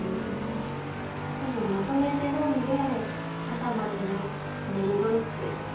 多分まとめて飲んで朝まで寝るぞって。